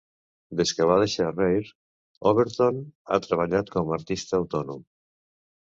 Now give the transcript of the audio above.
Des que va deixar Rare, Overton ha treballat com a artista autònom.